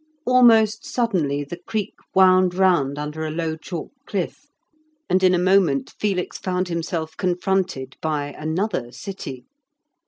Almost suddenly the creek wound round under a low chalk cliff, and in a moment Felix found himself confronted by another city.